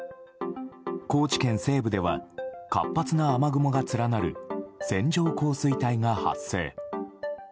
高知県西部では活発な雨雲が連なる線状降水帯が発生。